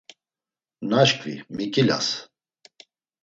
Naşkvi miǩilas.